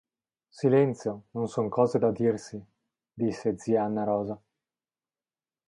Silenzio, non son cose da dirsi, – disse zia Anna-Rosa.